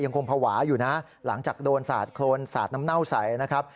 คงภาวะอยู่นะหลังจากโดนสาดโครนสาดน้ำเน่าใสนะครับ